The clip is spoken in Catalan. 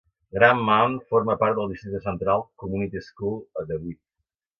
Grand Mound forma part del districte Central Community School, a DeWitt.